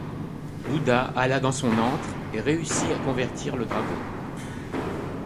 Bouddha alla dans son antre et réussit à convertir le dragon.